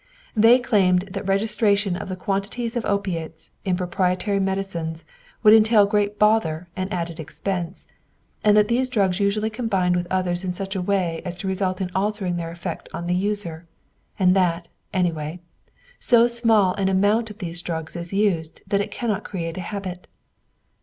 They claimed that registration of the quantities of opiates in proprietary medicines would entail great bother and added expense, that these drugs are usually combined with others in such a way as to result in altering their effect on the user, and that, anyway, so small an amount of these drugs is used that it cannot create a habit.